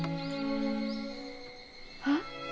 あっ。